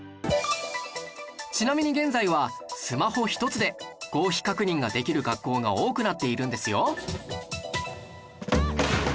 ちなみに現在はスマホ一つで合否確認ができる学校が多くなっているんですよ